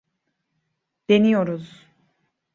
Deniyoruz.